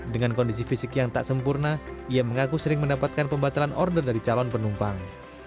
dengan kondisi fisik yang tak sempurna ia mengaku sering mendapatkan pembatalan order dari calon penumpang